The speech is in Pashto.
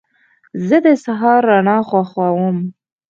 زه د سهار رڼا خوښوم.